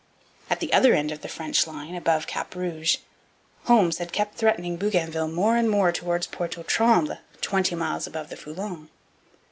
At the other end of the French line, above Cap Rouge, Holmes had kept threatening Bougainville more and more towards Pointe aux Trembles, twenty miles above the Foulon.